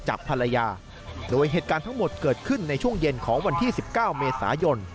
ภรรยาโดยเหตุการณ์ทั้งหมดเกิดขึ้นในช่วงเย็นของวันที่๑๙เมษายน